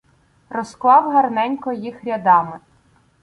Розклав гарненько їх рядами